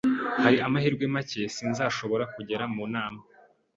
Hari amahirwe make sinzashobora kugera mu nama.